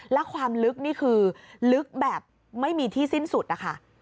และความลึกนี่คือลึกแบบไม่มีที่สิ้นสุดนะคะ